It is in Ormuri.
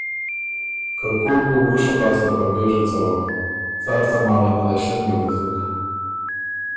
که کوک بُو وُوشه لاسته په بېژه څوک، څار تماله ملېشۀ نيې وزُک۔